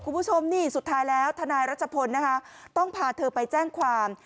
คุณผู้ชมนี่สุดท้ายแล้วทนายรัชพลนะคะต้องพาเธอไปแจ้งความ